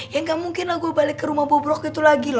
ya gak mungkin lah gue balik ke rumah bobrok gitu lagi lo